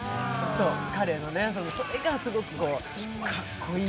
彼のそれがすごくかっこいい。